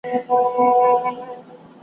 چي وو به نرم د مور تر غېږي .